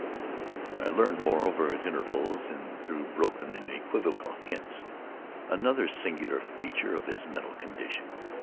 I learned, moreover, at intervals, and through broken and equivocal hints, another singular feature of his mental condition.